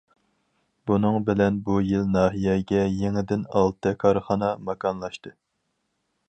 بۇنىڭ بىلەن بۇ يىل ناھىيەگە يېڭىدىن ئالتە كارخانا ماكانلاشتى.